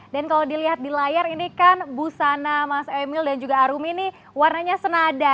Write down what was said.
dan kalau dilihat di layar ini kan bu sana mas emil dan juga arumi ini warnanya senada